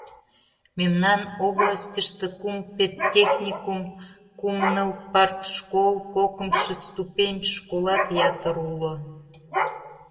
Мемнан областьыште кум педтехникум, кум-ныл партшкол, кокымшо ступень школат ятыр уло.